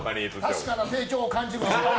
確かな成長を感じるぞ。